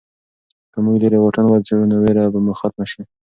که موږ لیرې واټن وڅېړو نو ویره به مو ختمه شي.